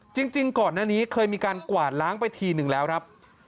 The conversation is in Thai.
จริงก่อนหน้านี้เคยมีการกวาดล้างไปทีนึงแล้วครับ